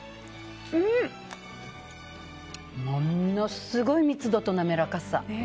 ものすごい密度と滑らかさ。